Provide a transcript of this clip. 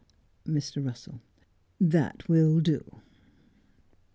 Mr. Russell : That will do.